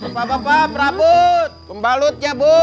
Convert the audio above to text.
bapak bapak prabut pembalutnya bu